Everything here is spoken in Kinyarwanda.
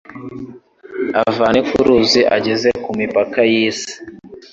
avane ku Ruzi ageze ku mipaka y’isi